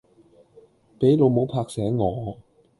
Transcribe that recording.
俾老母拍醒我